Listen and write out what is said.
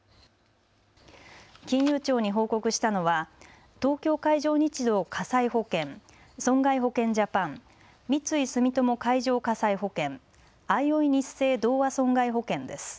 金融庁に報告したのは東京海上日動火災保険、損害保険ジャパン、三井住友海上火災保険、あいおいニッセイ同和損害保険です。